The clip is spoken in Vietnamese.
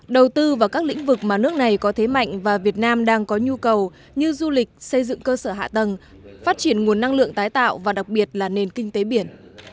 đầu tư vào các lĩnh vực mà nước này có thế mạnh và việt nam đang có nhu cầu như du lịch xây dựng cơ sở hạ tầng phát triển nguồn năng lượng tái tạo và đặc biệt là nền kinh tế biển